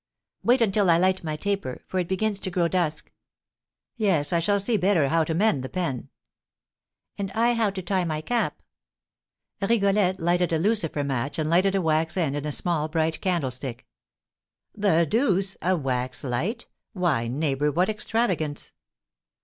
Wait until I light my taper, for it begins to grow dusk." "Yes, I shall see better how to mend the pen." "And I how to tie my cap." Rigolette lighted a lucifer match, and lighted a wax end in a small bright candlestick. "The deuce, a wax light! Why, neighbour, what extravagance!"